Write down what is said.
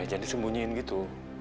jangan disembunyiin gitu